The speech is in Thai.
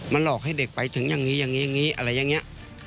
มันลอกให้เด็กไปถึงอย่างนี้อะไรอย่างนี้